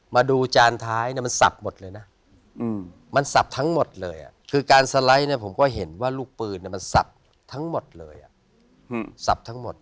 มาดูจานท้ายมันสับหมดเลยนะมันสับทั้งหมดเลยคือการสไลด์เนี่ยผมก็เห็นว่าลูกปืนมันสับทั้งหมดเลยสับทั้งหมด